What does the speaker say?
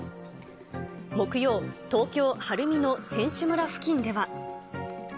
木曜、東京・晴海の選手村付近では。